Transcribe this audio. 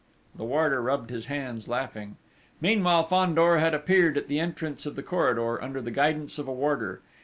The warder rubbed his hands, laughing. Meanwhile, Fandor had appeared at the entrance of the corridor, under the guidance of a warder.